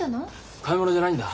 買い物じゃないんだ。